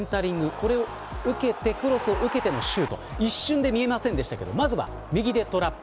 これを受けてクロスを受けてのシュート一瞬で見えませんでしたがまずは右でトラップ。